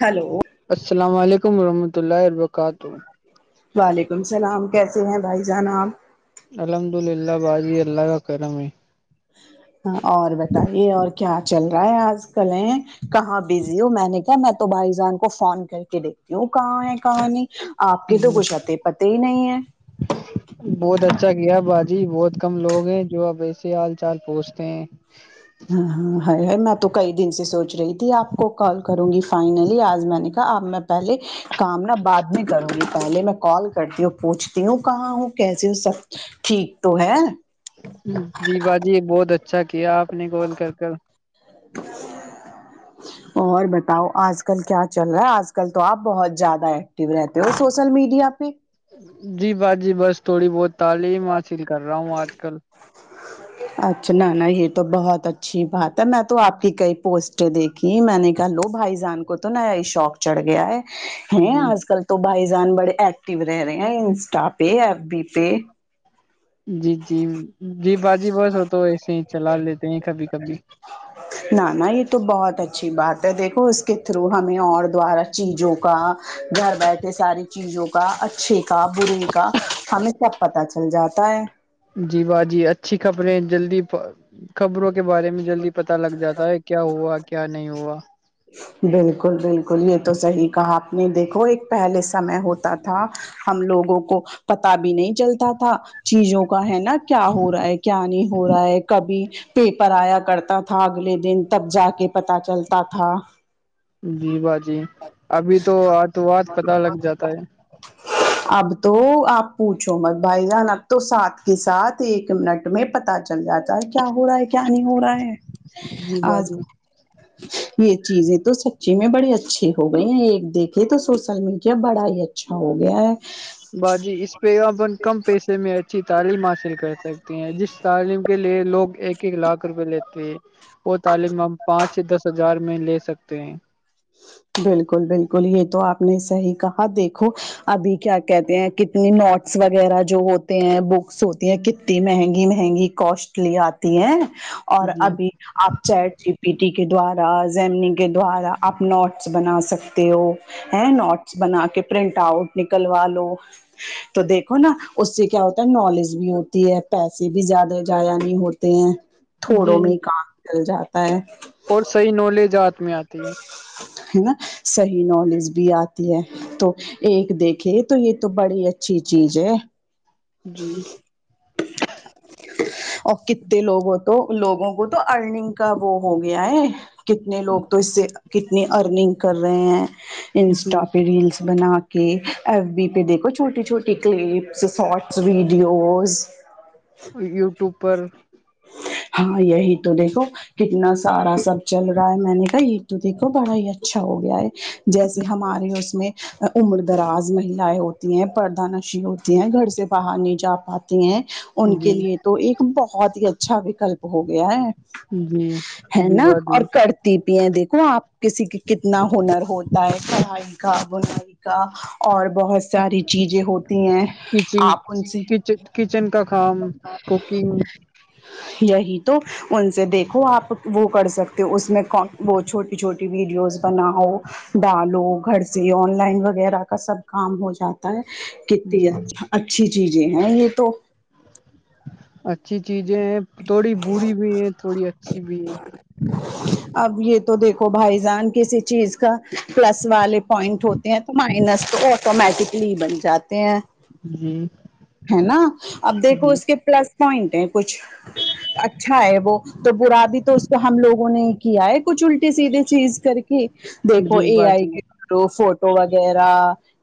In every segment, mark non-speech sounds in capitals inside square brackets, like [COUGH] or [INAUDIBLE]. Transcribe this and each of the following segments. hello السلام علیکم ورحمۃ اللہ وبرکاتہ وعلیکم السلام کیسے ہیں بھائی جان آب الحمد للہ باجی اللہ کا کرم ہے [UNINTELLIGIBLE] اور بتائیے اور کیا چل رہا ہے آج کل ہے کہاں بزی ہ میں نے میں تو بھائی جان کو فون کر کے دیکھتی ہوں کہاں ہے کہاں نہیں آپ کے تو کچھ اتے پتے ہی نہیں ہے ہ [UNINTELLIGIBLE] بہت اچھا کیا باجی بہت کم لوگ ہیں جو اب ایسے ہال چال پہنچتے ہیں ہاں ہاں میں تو کئی دن سے سوچ رہی تھی آپ کو کال کروں گی فائنلی آج میں نے اب میں پہلے کام نہ بعد میں کروں گی پہلے میں کال کرتی ہوں پوچھتی ہوں کہاں ہوں کیسے سب ٹھیک تو ہے جی باجی یہ بہت اچھا کیا آپ نے کال کر کر [INAUDIBLE] اور بتاؤ آج کل کیا چل رہا ہے آج کل تو آپ بہت زیادہ ایکٹو رہتے ہو سوشل میڈیا پہ جی باجی بس تھوڑی بہت تعلیم حاصل کر رہا ہوں آج کل [INAUDIBLE] اچھا نہ ن یہ تو بہت اچھی بات ہے میں تو آپ کی کئی پوسٹ دیکھی [UNINTELLIGIBLE] کہ میں نے کہا لو بھائی جان کو تو نیا ہی شوق چڑھ گیا ہے ہیں جی آج کل تو بھائی جان بڑے ایکٹو رہ رہے ہیں انسٹا پہ ایف بی پہ جی جی جی باجی بس وہ تو ایسے ہی چلا لیتے ہیں کبھی کبھی [INAUDIBLE] ن نا یہ تو بہت اچھی بات ہے دیکھو اس کے تھرو ہمیں اور دوارہ چیزوں کا گھر بیٹھے ساری چیزوں کا اچھے کا برے کا ہمیں سب پت چل جاتا ہے جی واہ جی اچھی خبر اپنے جلدی خبروں کے بارے میں جلدی پت لگ جاتا ہے کیا ہوا کیا نہیں ہوا ج [UNINTELLIGIBLE] بالکل بالکل یہ تو صحیح کہا آپ نے دیکھو ایک پہلے سمے ہوتا تھا ہم لوگوں کو پتا بھی نہیں چلتا تھا چیزوں کا ہے نا کیا ہو رہا ہے کیا نہیں ہو رہا ہے کبھی پیپر آیا کرتا تھا اگلے دن تب جا کے پتہ چلتا تھا جی با جی ابھی تو آت وات پت لگ جاتا ہے اب تو آپ پوچھو مت بھائی جان اب تو ساتھ کے ساتھ ایک منٹ میں پتا چل جاتا ہے کیا ہو رہا ہے کیا نہیں ہو رہا ہے جی آ باجی یہ چیزیں تو سچی میں بڑی اچھی ہو گئی ہیں ایک دیکھے تو سوشل میڈیا بڑا ہی اچھا اچھا ہو گیا ہے باجی اس پہ اپن کم پیسے میں اچھی تعلیم حاصل کر سکتے ہیں جس تعلیم کے لیے لوگ ایک ایک لاکھ روپئے لیتے ہے وہ تعلیم ہم پانچ سے دس ہزار میں لے سکتے ہیں [UNINTELLIGIBLE] بالکل بالکل یہ تو آپ نے صحی کہا دیکھو ابھی کیا کہتے ہیں کتنی نوٹس وغیرہ جو ہوتے ہیں بکس ہوتی ہیں کتنی مہنگی مہنگی کوسٹلی آتی ہیں اور جی ابھی آپ چیٹ س پی ٹی کے دوارا زمنی کے دوارا آپ نوٹ بنا سکتے ہو ہے نوٹس بنا کے پرنٹ آؤٹ نکلوا لو تو دیکھو نا اس سے کیا ہوتا ہے نالج بھی ہوتی ہے پیسے بھی زیادہ جضایا نہیں ہوتے ہیں تھوڑوں جی میں کام جل جاتا ہے اور صح نالج آ ہے نا صحیح نالج بھی آتی ہے تو ایک دیکھے تو یہ تو بڑی اچھی چیز ہے جی [UNINTELLIGIBLE] [INAUDIBLE] اور کتنے لوگوں تو لوگوں کو تو ارننگ کا وہ ہو گیا ہے کتنے لوگ تو اس سے کتنی ارننگ کر رہے ہیں جی انسٹا پہ ریلس بنا کے ایف بی پہ دیکھو چھوٹی چھوٹی کلپس شارٹس ویڈیوز یوٹیوب پر ہاں یہی تو دیکھو کتنا سارا سب چل رہا ہے میں نے کہا یہید تو دیکھو بڑا ہی اچھا ہو گیا ہے جیسے ہمارے اس میں عمر دراز مہیائیں ہوتی ہیں پردہ نشی ہوتی ہے گھر سے باہر نہیں جا پاتی ہیں ان کے جی لیے تو ایک بہت ہی اچھا وکلپ ہو گیا ہے جی ہے جی نا اور باجی کرتے ٹی پی ہیں دیکھو آپ کسی کے کتنا ہنر ہوتا ہے پڑھائی کا بنائی اور بہت ساری چیزیں ہوتی ہیں کچن آپ ان سے ہی یہی تو ان سے دیکھو آپ وہ کر سکتے ہو اسس میں وہ چھوٹی چھوٹی ویڈیوز بناؤ ڈالو گھر سے آن لائن وغیرہ کا سب کام ہو جاتا ہے تی جی ہے اچھی چیزیں ہیں یہ تو اچھی چیزیں ہیں تھوڑی بری بھی ہے تھوڑی اچھی بھی ہے اب یہ تو دیکھو بھائی جان کسی چیز کا پلس والے پوائنٹ ہوتا تو مائنس تو آٹومیٹکلی بن جاتے ہیں جی ہے نا اب دیکھو جی اس کے پلس پوائنٹ ہیں کچھ اچھا ہے وہ تو برا بھی تو اس کو ہم لوگوں نے ہی کیا ہے کچھ الٹی سیدھے چیز کر کے دیکھو جی یہ آ ہی باجی کہ تو فوٹو وغیرہ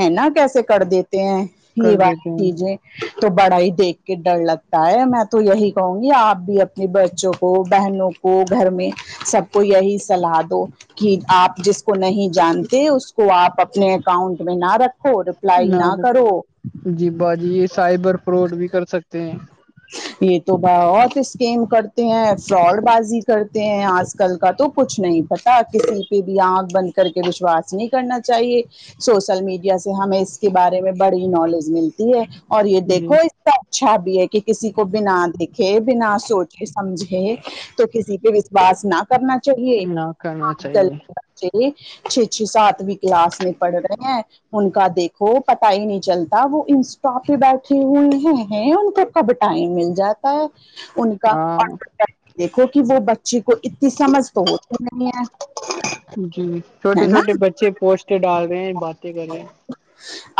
ہے نا کیسے کر دیتے ہیں یہ کر دیتے والی ہیں چیزیں تو بڑا ہی دیکھ کے ڈر لگتا ہے میں تو یہی کہوں گی آپ بھی اپنے بچوں کو بہنوں کو وہ گھر میں سب کو یہی صلاح دو کہ آپ جس کو نہیں جانتے اس کو آپ اپنے اکاؤنٹ میں نہ رکھو اور نہ تو جی باجی یہ سائبر فراڈ بھی کر سکتے ہیں [INAUDIBLE] یہ تو بہت اسکیم کرتے ہیں فراڈ بازی کرتے ہیں آج کل کا تو کچھ نہیں پتا کسی پہ بھی آنکھ بند کر کے وشواس نہیں کرنا چاہیے سوشل میڈیا سے ہمیں اس کے بارے میں بڑی نالج ملتی ہے اور یہ جی دیکھو اس کا اچھا بھی ہے کہ کسی کو بنا دیکھ بنا سوچے سمجھے تو کسی پہ وشواس نہ کرنا چلیےج نہ کرنا کل چاہیے بچے چھے چھے سات بھی کلاس میں پڑھ رہے ہیں ان کا دیکھو پتا ہی نہیں چلتا وہ ان کافی بیٹھے ہوئے ہیں ان کو کب ٹائم مل جاتا ہے ان کا ہاں دیکھو کہ وہ بچی کو اتنی سمجھ تو ہوتی نہیں ہے جی ہے چھوٹے نا چھوٹے بچے پوسٹ ڈال رہے ہیں باتیں کر رہے ہیں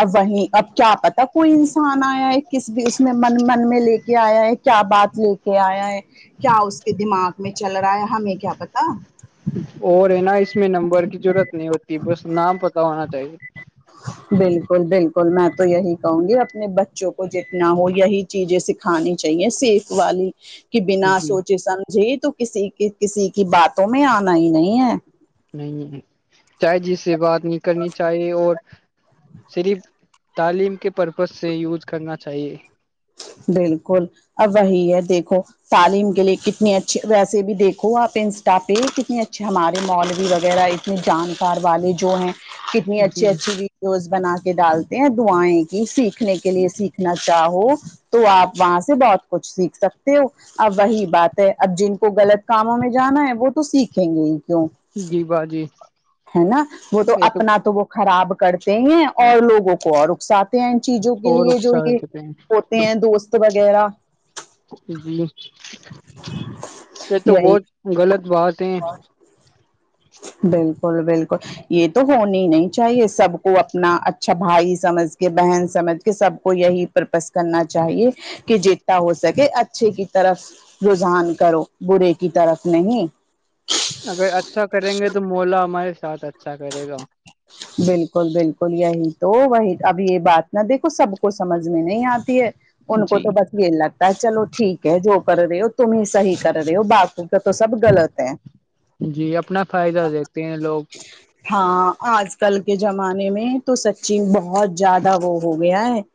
اب وہیں اب کیا پتا کوئی انسان آیا ہے کسی بھی اس میں من من میں لے کے آیا ہے کیا بات لے کے آیا ہے کیا اس کے دماغ میں چل رہا ہے ہمیں کیا پتا اور ہے نا اس میں نمبر کی ضرورت نہیں ہوتی بس نام پتا ہونا چاہیے بالکل بالکل میں تو یہی کہوں گے اپنے بچوں کو جتنا ہو یہی چیزیں سکھانی چاہیے سیف والی کہ بنا جی سوچے سمجھے تو کسی کے کسی کی باتوں میں آنا ہی نہیں ہے نہیں چائے جی سے بات نہیں کرنی چاہیے اور صرف تعلیم کے پرپز سے یوز کرنا چاہیے بالکل اب وہی ہے دیکھو تعلیم کے لیے کتنی اچھے ویسے بھی دیکھو آپ انسٹا پہ کتنے اچھے ہمارے مال بھی وغیرہ اپنے جانکار والے جو ہیں کتنی اچھی جی اچھی جوز بنا کے ڈالتے ہیں دعیں کی سیکھنے کے لیے سیکھنا چاہو تو آپ وہاں سے بہت کچھ سیکھ سکتے ہو ا وہی بات اب جن کو غلط کاموں میں جانا ہے وہ تو سیکھیں گے ہی کیوں جی باجی ہے نا وہ تو اپنا تو وہ خراب کرتے ہیں اور لوگوں کو اور اکساتے ہیں ان چیزوں کے اور لیے جو اکسار یہ چکے ہیں ہوتے ہیں دوست وغیرہ جی یہ تو یہی بہت غلط بات ہے بالکل بالکل یہ تو ہونی ہی نہیں چاہیے سب کو اپنا اچھا بھائی سمجھ کے بہن سمجھ کے سب کو یہی پرپس کرنا چاہیے کہ جتتا ہو سکے اچھے کی طرف رجحان کرو برے کی طرف نہیں اگر اچھا کریں گے تو مولا ہمارے ساتھ اچھا کرے گا [INAUDIBLE] بالکل بالکل یہی تو وہی اب یہ بات نہ دیکھو سب کو سمجھ میں نہیں آتی ہے ان کو جی تو بس یہی لگتا ہے چلو ٹھیک ہے جو کر رہے ہو تم ہی صحیح کر رہے ہو باپ تو تو سب غلط ہے جی اپنا فائدہ دیکھتے ہیں لوگ ہاں آج کل کے زمانے میں تو سچن بہت زیادہ وہ ہو گیا ہے [INAUDIBLE]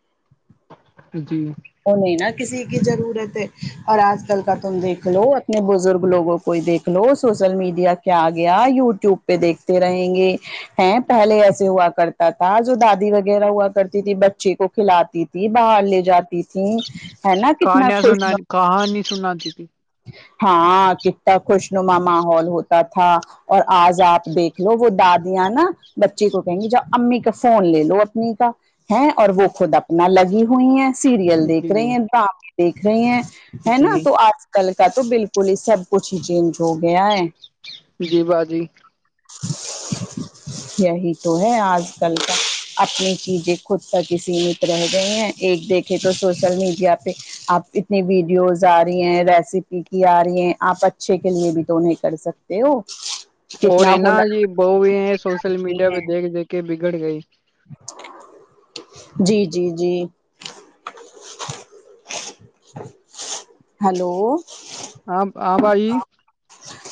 جی وہ نہیں نا کسی کی ضرورت ہے اور آج کل کا تم دیکھ لو اپنے بزرگ لوگوں کو کوئی دیکھ لو سوشل میڈیا کیا گیا یو ٹیوب پہ دیکھتے رہیں گے ہیں پہلے ایسے ہوا کرتا تھا جو دادی وغیرہ ہوا کرتی تھی بچے کو کھلاتی تھی باہر لے جاتی تھیں کہانیا سنا کہانی سناتی ت ہاں کتنا خوش نما ماحول ہوتا تھا اور آج آپ دیکھ لو وہ دادیاں نا بچی کو کہیں گی جؤ امی کا فون لے لو اپنی کا ہیں اور وہ خود اپنا لگی ہوئی ہیں سیریل دیکھ رہے جی ہیں ڈرامے دیکھ رہے ہیں ہے نا جی تو آج کل کا تو بالکل ہی سب کچھ ہی چینج ہو گیا ہے جی با جی یہی تو ہے آج کل کا اپنی چیزیں خود تک سیمت رہ گئی ہیں ایک دیکھے تو سوشل میڈیا پہ آپ اتنی ویڈیوز آ رہی ہیں ریسیپی کی آ رہی ہیں آپ اچھے کے لیے بھی تو نہیں کر سکتے دو اور ہے نا ج بہ بھی ہیں سوشل میڈیا پہ ہیں دیکھ دیکھ کے بگڑ گئی جی جی جی ہلو آاں آ بھائی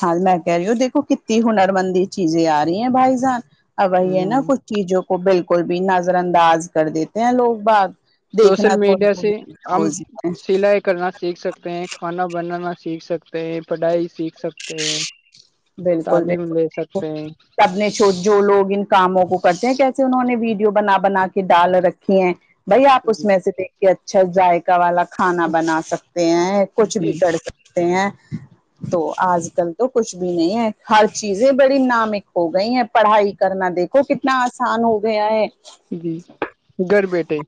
ہاں میں کہہ رہی ہو دیکھو کتی ہنرمندی چیزیں آ رہی ہیں بھائی جان اب ہے ہ نا کچھ چیزوں کو بالکل بھی نظر انداز کر دیتے ہیں لوگ باغ سوشل میڈیا سے ہم ہے سل کرنا سیکھ سکتے ہیں کھانا بنانا سیکھ سکتے ہیں پڑھائی سیکھ سکتے ہیں تعلیم لے سکتے ہیں اپنے ش جو لوگ ان کاموں کو کرتے ہیں کیسے انہوں نے ویڈیو بنا بنا کے ڈال رکھی ہیں بھائی آپ اس جی میں سے دیکھ کے اچھا ذائقہ والا کھانا بنا سکتے ہیں کچھ بھی جی کر سک ہیں تو آج کل تو کچھ بھی نہیں ہے ہر چیزیں بڑی نامک ہو گئی ہیں پڑھائی کرنا دیکھو کتنا آسان ہو گیا ہے جی گھر بیٹھے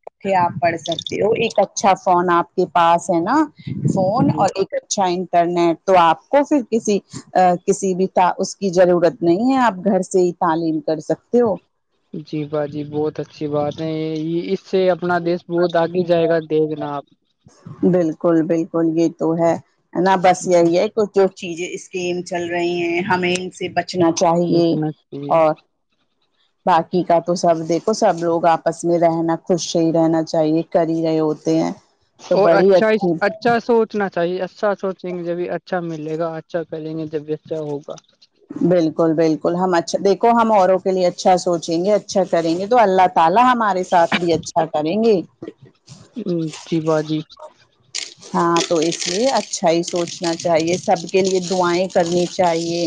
اکے آپ پڑھ سکتے ہو ایک اچھا فون آپ کے پاس ہے نا فون جی اور ایک اچھا انٹرنیٹ تو آپ کو پھر کسی کسی بھی اس کی ضرورت نہیں ہے آپ گھر سے ہی تعلیم کر سکتے ہو جی با جی بہت اچھی بات ہے یہ یہ اس سے اپنا دیش بہت آگے جائے گا دیکھناا آپ بالکل بالکل یہ تو ہے ہے نا بس یہی ہے جو چیزیں اسکیم چل رہی ہیں ہمیں ان سے بچنا چاہیے سوچنا چاہیے اور باقی کا تو سب دیکھو سب لوگ آپس میں رہنا خوش ہی رہنا چاہیے کر ہی رہے ہوتے ہیں تو اور بڑی اچھا اچھی اچھا سوچنا چاہیے اچھا سوچیں گے جبھی اچھا ملے گا اچھا کریں گے جب بھی اچھا ہوگا بالکل بالکل ہم اچھا دیکھو ہم اوروں کے لیے اچھا سوچیں گے اچھا کریں گے تو اللہ تعالی ہم ہمارے ساتھ بھی اچھا کریں گے جی باجی ہاں تو اس لیے اچھا ہی سوچنا چاہیے سب کے لیے دعائیں کرنی چاہیے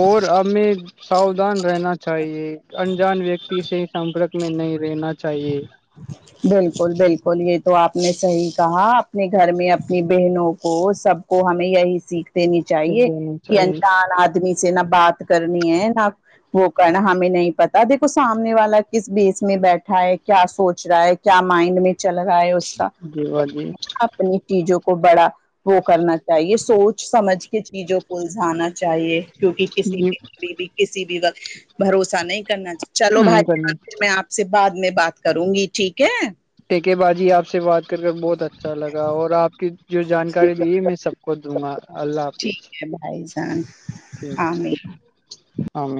اور ہمیں ساوودھان رہنا چاہیے انجان ویکتی سے ہی سمپرک میں نہیں رہنا چاہیے بالکل بالکل یہ تو آپ نے صحیح کہا اپنے گھر میں اپنی بہنوں کو سب کو ہمیں یہی سیکھ دینی چاہیے دینا کہ چاہیے انجان آدمی سے نہ بات کرنی ہے نہ وہ کرنا ہمیں نہیں پتا دیکھو سامنے والا کس بیس میں بیٹھ اھا کیا سوچ رہا ہے کیا مائنڈ میں چل رہا ہے اس کا جی با جی اپنی چیزوں کو بڑا وہ کرنا چاہیے سوچ سمجھ کے چیزوں کو الجھانا چاہیے کیک کسی جی بھی کھی بھی کسی بھی وقت بھروسہ نہیں کرنا چلو بھائی کرنا پھر میں آپ سے بعد میں بات کروں گی ٹھیک ہے ٹھیک باجی آپ سے بات کر بہت اچھا اچھا لگا اور آپ کی جو جانکاری دی ہے میں سب کو دوں گا اللہ حافظ بائی جان ٹھیک ہے آمین ہاں م